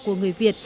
của người việt